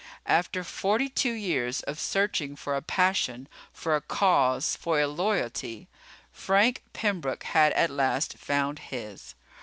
After forty two years of searching for a passion, for a cause, for a loyalty, Frank Pembroke had at last found his.